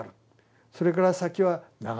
それから先は長い。